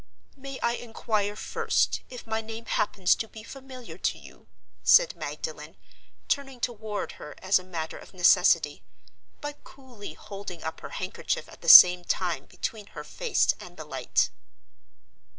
"May I inquire, first, if my name happens to be familiar to you?" said Magdalen, turning toward her as a matter of necessity, but coolly holding up her handkerchief at the same time between her face and the light.